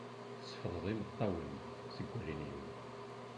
Tsefḍeḍ imeṭṭawen seg wallen-iw.